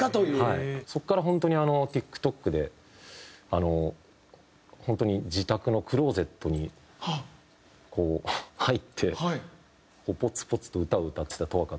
そこから本当にＴｉｋＴｏｋで本当に自宅のクローゼットにこう入ってポツポツと歌を歌ってた十明って子がいて。